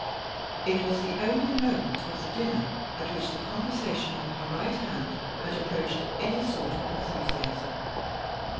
It was the only moment of the dinner at which the con versation on her right hand had approached any sort of enthusiasm.